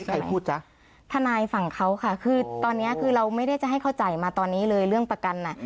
ใครพูดจ๊ะทนายฝั่งเขาค่ะคือตอนเนี้ยคือเราไม่ได้จะให้เข้าใจมาตอนนี้เลยเรื่องประกันอ่ะ